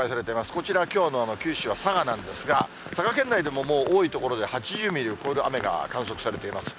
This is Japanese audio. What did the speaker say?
こちら、きょうの九州は佐賀なんですが、佐賀県内でももう多い所で８０ミリを超える雨が観測されています。